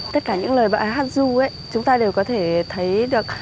tất cả những lời bài hát ru ấy chúng ta đều có thể thấy được